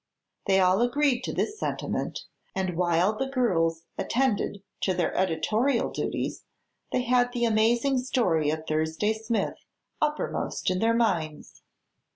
They all agreed to this sentiment and while the girls attended to their editorial duties they had the amazing story of Thursday Smith uppermost in their minds.